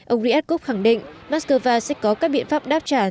ông riyadkov khẳng định moscow sẽ có các biện pháp đáp trả